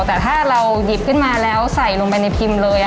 แต่ถ้าเราหยิบขึ้นมาแล้วใส่ลงไปในพิมพ์เลย